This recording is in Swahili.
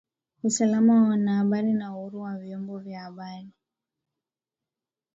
usalama wa wanahabari na uhuru wa vyombo vya habari